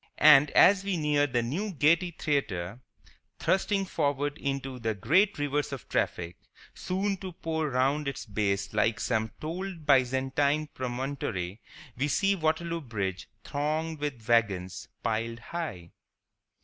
And, as we near the new Gaiety Theatre, thrusting forward into the great rivers of traffic soon to pour round its base like some bold Byzantine promontory, we see Waterloo Bridge thronged with wagons, piled high.